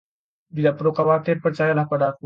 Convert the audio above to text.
Tidak perlu khawatir, percayalah padaku.